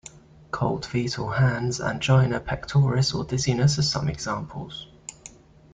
Cold feet or hands, angina pectoris or dizziness are some examples.